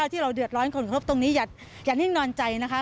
ที่เราเดือดร้อนคนครบตรงนี้อย่านิ่งนอนใจนะคะ